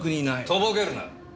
とぼけるな！